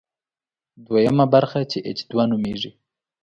دویمه برخه چې اېچ دوه نومېږي.